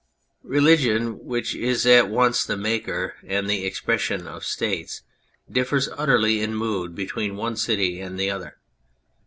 Religion, which is at once the maker and the ex pression of States, differs utterly in mood between one city and the other.